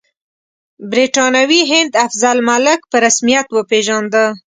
برټانوي هند افضل الملک په رسمیت وپېژانده.